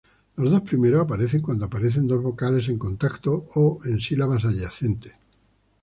Los dos primeros aparecen cuando aparecen dos vocales en contacto o en sílabas adyacentes.